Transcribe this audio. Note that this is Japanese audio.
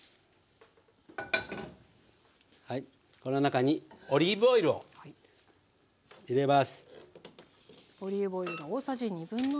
この中にオリーブオイルを入れます。